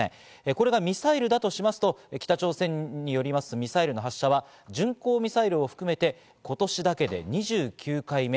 これがミサイルだとしますと、北朝鮮によりますミサイルの発射は巡航ミサイルを含めて、今年だけで２９回目。